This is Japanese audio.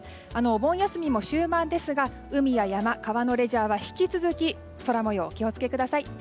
お盆休みも終盤ですが海や山、川のレジャーは引き続き空模様にお気を付けください。